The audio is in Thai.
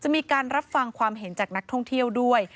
มีการรับฟังความเห็นจากนักท่องเที่ยวด้วย